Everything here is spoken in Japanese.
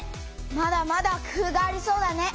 まだまだ工夫がありそうだね。